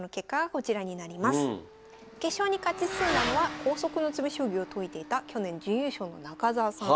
決勝に勝ち進んだのは「光速の詰将棋」を解いていた去年準優勝の中澤さん。